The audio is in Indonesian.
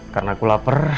karena aku lapar